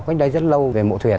cách đây rất lâu về mộ thuyền